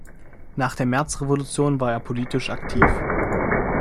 Nach der Märzrevolution war er politisch aktiv.